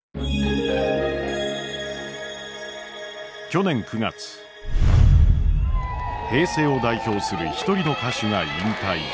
去年９月平成を代表する一人の歌手が引退した。